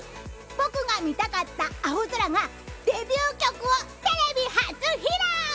僕が見たかった青空がデビュー曲をテレビ初披露！